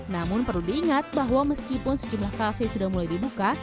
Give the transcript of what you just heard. namun perlu diingat bahwa meskipun sejumlah kafe sudah mulai dibuka